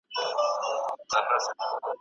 برسونه باید یوازې ستاسو د خولې لپاره وي.